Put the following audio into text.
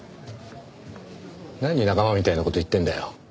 何仲間みたいな事言ってんだよ。